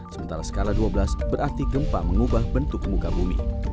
sementara skala dua belas berarti gempa mengubah bentuk muka bumi